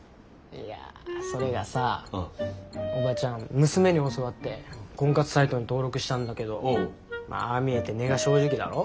いやそれがさオバチャン娘に教わって婚活サイトに登録したんだけどああ見えて根が正直だろ？